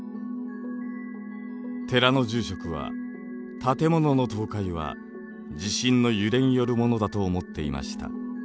寺の住職は建物の倒壊は地震の揺れによるものだと思っていました。